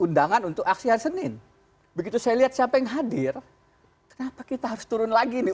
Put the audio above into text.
undangan untuk aksi hari senin begitu saya lihat siapa yang hadir kenapa kita harus turun lagi nih